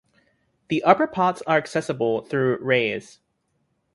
The upper parts are accessible through Reyes.